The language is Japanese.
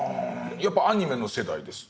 やっぱアニメの世代です。